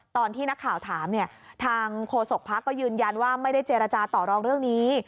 ตอนที่นักข่าวถามเนี่ยทางโฆษกภักดิ์ก็ยืนยันว่าไม่ได้เจรจาต่อรองเรื่องนี้